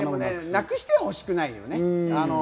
なくしてはほしくないよね。